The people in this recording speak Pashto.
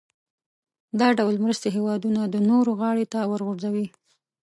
دا ډول مرستې هېوادونه د نورو غاړې ته ورغورځوي.